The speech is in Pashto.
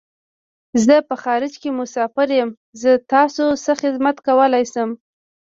زه په خارج کی مسافر یم . زه تاسو څه خدمت کولای شم